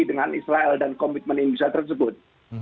dengan israel dan komitmen indonesia tersebut